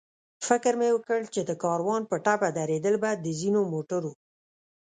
فکر مې وکړ چې د کاروان په ټپه درېدل به د ځینو موټرو.